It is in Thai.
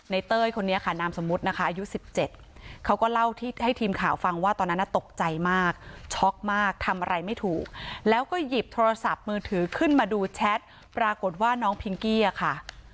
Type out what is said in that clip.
เต้ยคนนี้ค่ะนามสมมุตินะคะอายุ๑๗เขาก็เล่าให้ทีมข่าวฟังว่าตอนนั้นตกใจมากช็อกมากทำอะไรไม่ถูกแล้วก็หยิบโทรศัพท์มือถือขึ้นมาดูแชทปรากฏว่าน้องพิงกี้อะค่ะ